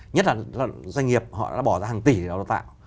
nhất là doanh nghiệp họ đã bỏ ra hàng tỷ để đào tạo